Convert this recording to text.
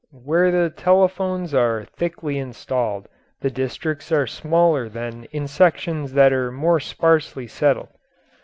Where the telephones are thickly installed the districts are smaller than in sections that are more sparsely settled.